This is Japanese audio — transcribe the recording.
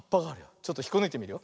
ちょっとひっこぬいてみるよ。